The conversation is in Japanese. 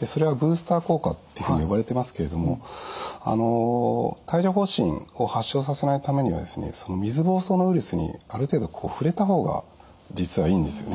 でそれはブースター効果っていうふうに呼ばれてますけれども帯状ほう疹を発症させないためにはですねその水ぼうそうのウイルスにある程度触れた方が実はいいんですよね。